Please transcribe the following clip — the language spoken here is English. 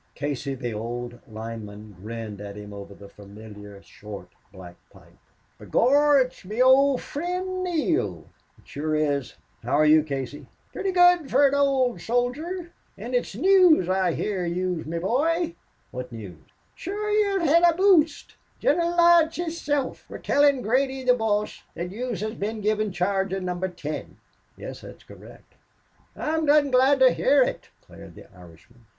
Casey, the old lineman, grinned at him over the familiar short, black pipe. "B'gorra, it's me ould fri'nd Neale." "It sure is. How're you Casey?" "Pritty good fur an ould soldier.... An' it's news I hear of yez, me boy." "What news?" "Shure yez hed a boost. Gineral Lodge hisself wor tellin' Grady, the boss, that yez had been given charge of Number Ten." "Yes, that's correct." "I'm dom' glad to hear ut," declared the Irishman.